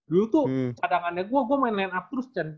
dulu tuh cadangannya gue gue main line up terus